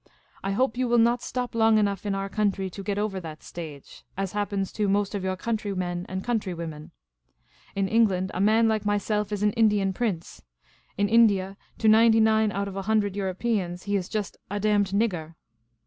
I hope you will not stop long enough in our country to get over that stage — as happens to most of your countrj men and countrywomen. In England, a man like myself is an Indian prince ; in India, to ninety nine out of a hundred Europeans, he is just 'a damned nigger.'